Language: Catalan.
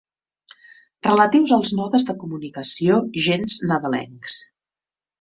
Relatius als nodes de comunicació gens nadalencs.